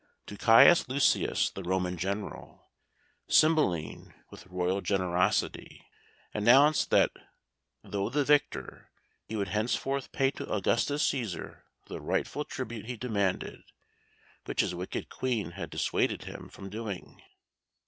To Caius Lucius, the Roman General, Cymbeline, with royal generosity, announced that though the victor, he would henceforth pay to Augustus Cæsar the rightful tribute he demanded, which his wicked Queen had dissuaded him from doing.